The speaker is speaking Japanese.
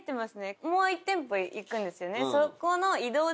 もう１店舗行くんですよね？